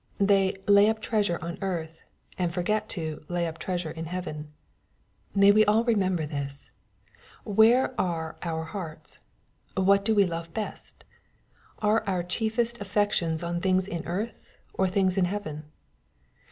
They "lay up treasure on earth," and forget to " lay up treasure in heaven." May we all remember this ! Where are our hearts ? What do we love best ? Are our chiefest affections on things in earth, or things in heaven